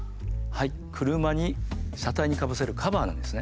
車に車体にかぶせるカバーなんですね。